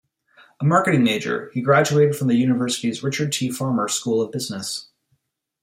A marketing major, he graduated from the university's Richard T. Farmer School of Business.